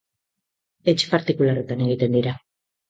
Etxe partikularretan egiten dira.